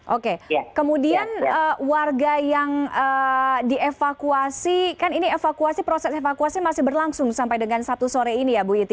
oke kemudian warga yang dievakuasi kan ini evakuasi proses evakuasi masih berlangsung sampai dengan sabtu sore ini ya bu iti